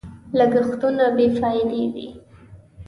لګښتونه بې فايدې وي.